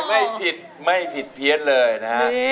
ไม่ผิดไม่ผิดเพี้ยนเลยนะฮะ